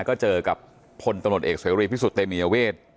ก็เจอกับพลตำรวจเอกเสรีพิสุทธิเตมียเวท